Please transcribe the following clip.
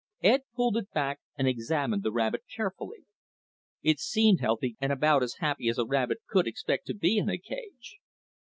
Ed pulled it back and examined the rabbit carefully. It seemed healthy and about as happy as a rabbit could expect to be in a cage.